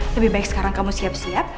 lebih baik sekarang kamu siap siap